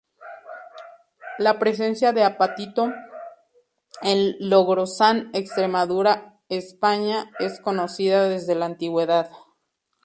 La presencia de apatito en Logrosán, Extremadura, España es conocida desde la antigüedad.